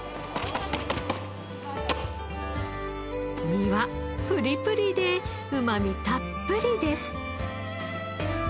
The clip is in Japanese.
身はプリプリでうまみたっぷりです。